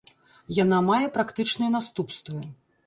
Яна мае практычныя наступствы.